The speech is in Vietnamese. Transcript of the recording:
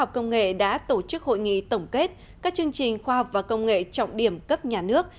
công nghệ đã tổ chức hội nghị tổng kết các chương trình khoa học và công nghệ trọng điểm cấp nhà nước